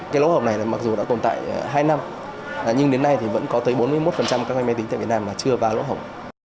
cái lỗ hổng này mặc dù đã tồn tại hai năm nhưng đến nay thì vẫn có tới bốn mươi một các ngành máy tính tại việt nam mà chưa vào lỗ hổng